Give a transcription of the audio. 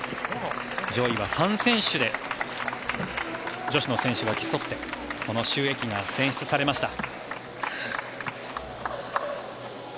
上位は３選手で女子の選手が競ってこのシュ・エキが選出されました。